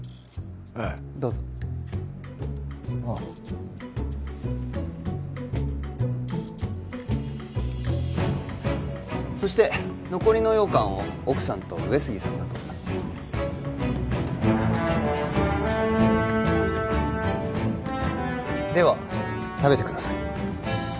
ええどうぞああそして残りの羊羹を奥さんと上杉さんが取ったでは食べてください